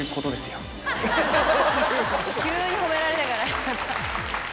急に褒められたから。